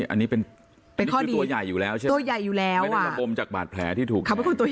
อันนี้เป็นข้อดีตัวใหญ่อยู่แล้วใช่ไหมไม่ได้ระบมจากบาดแผลที่ถูกแห่ง